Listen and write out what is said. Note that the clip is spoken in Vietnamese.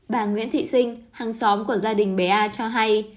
bà nguyễn thị sinh hàng xóm của gia đình bé a cho hay